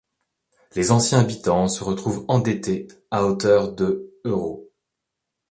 Les anciens habitants se retrouvent endettés à hauteur de €.